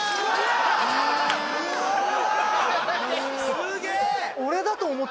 すげえ！